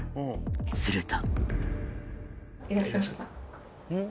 すると。